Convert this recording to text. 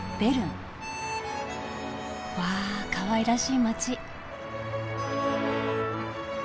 わあかわいらしい街。